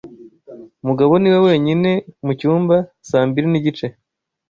Mugabo niwe wenyine mucyumba saa mbiri nigice.